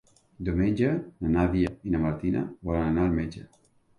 Diumenge na Nàdia i na Martina volen anar al metge.